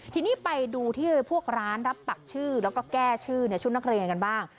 ทีนี้ไปดูที่พวกร้านรับปักชื่อแล้วก็แก้ชื่อในชุดนักเรียนกันบ้าง